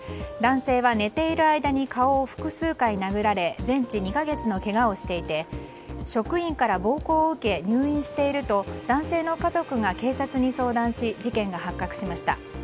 男性は寝ている間に顔を複数回殴られ全治２か月のけがをしていて職員から暴行を受け入院していると男性の家族が警察に相談し事件が発覚しました。